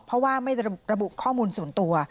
เพราะว่าไม่ระบุข้อมูลส่วนตัว